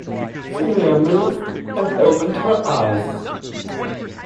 Celia moved and opened her eyes.